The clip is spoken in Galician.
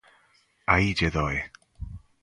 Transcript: Aí lle doe!